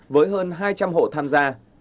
với hơn hai trăm linh hộ tham gia